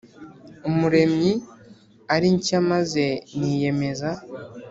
Umuremyi ari nshya maze niyemeza